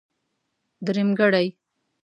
درېمګړی.